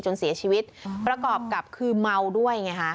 จนเสียชีวิตประกอบกับคือเมาด้วยไงฮะ